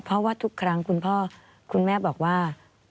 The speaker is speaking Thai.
เพราะว่าทุกครั้งคุณพ่อคุณแม่บอกว่า